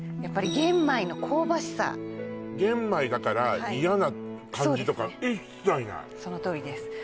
やっぱり玄米の香ばしさ玄米だから嫌な感じとか一切ないそのとおりです